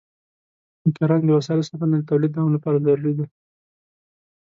د کرني د وسایلو ساتنه د تولید دوام لپاره ضروري ده.